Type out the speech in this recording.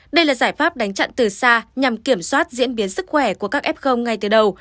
đây là giải pháp đánh chặn từ xa nhằm kiểm soát diễn biến sức khỏe của các f ngay từ đầu